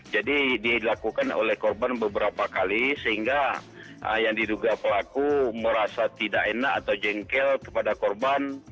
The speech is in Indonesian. jadi dilakukan oleh korban beberapa kali sehingga yang diduga pelaku merasa tidak enak atau jengkel kepada korban